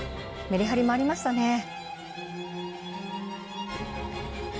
メリハリもありましたね。